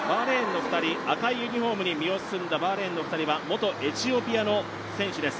赤いユニフォームに身を包んだバーレーンの２人は元エチオピアの選手です。